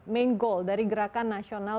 main goal dari gerakan nasional